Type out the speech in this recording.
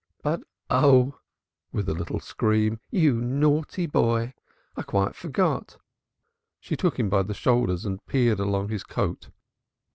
But, oh!" with a little scream "you naughty boy! I quite forgot." She took him by the shoulders, and peered along his coat.